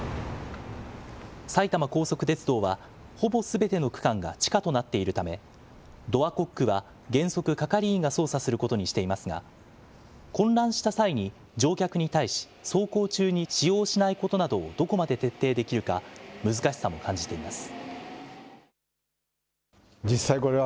埼玉高速鉄道は、ほぼすべての区間が地下となっているため、ドアコックは原則係員が操作することにしていますが、混乱した際に、乗客に対し、走行中に使用しないことなどをどこまで徹底できるか、難しさも感じています。